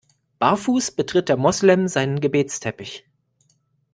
Barfuß betritt der Moslem seinen Gebetsteppich.